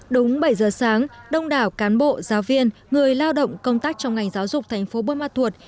đúng bảy giờ sáng đông đảo cán bộ giáo viên người lao động công tác trong ngành giáo dục thành phố bôn ma thuột